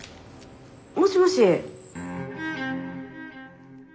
もしもし？